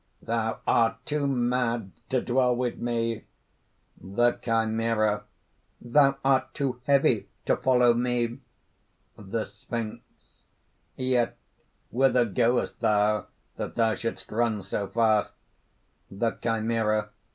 "Thou art too mad to dwell with me!" THE CHIMERA. "Thou art too heavy to follow me!" THE SPHINX. "Yet whither goest thou, that thou shouldst run so fast?" THE CHIMERA.